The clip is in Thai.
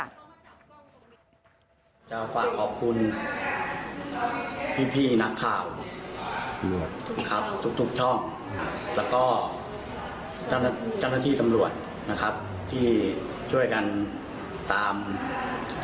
คิดว่าไม่ได้เอาเรื่องกับเขาตามที่ได้ให้เขาไว้จนแต่แรก